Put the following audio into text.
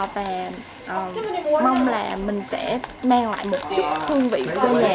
và mong là mình sẽ mang lại một chút hương vị của đôi nhà